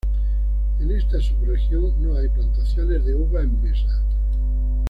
En esta subregión no hay plantaciones de uva de mesa.